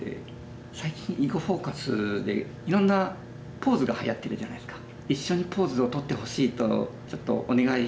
最近「囲碁フォーカス」でいろんなポーズがはやってるじゃないですか。